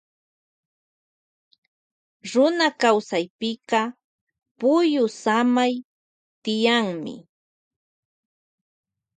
Runa kawsaypika tiyanmi pukyu samay.